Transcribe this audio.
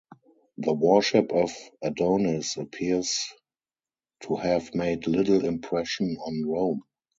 The worship of Adonis appears to have made little impression on Rome.